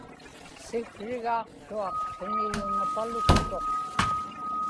siksrigaaqtuaq qiñiyunapaluktuq